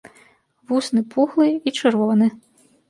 Вусны пухлы і чырвоны.